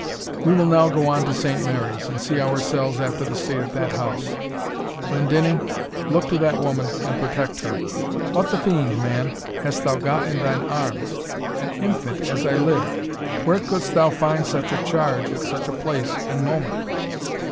We will now go on to Saint Mary's, and see ourselves after the state of that House. Glendinning, look to that woman, and protect her. What the fiend, man, hast thou got in thine arms? an infant as I live! where couldst thou find such a charge, at such a place and moment?"